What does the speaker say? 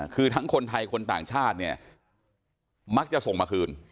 คือทั้งคนไทยคนต่างชาติเนี่ยมักจะส่งมาคืน